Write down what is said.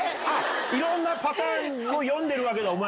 いろんなパターンを読んでるわけだお前。